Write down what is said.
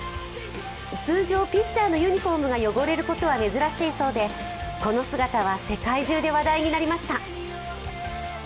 通常、ピッチャーのユニフォームが汚れることは珍しいそうでこの姿は世界中で話題になりました。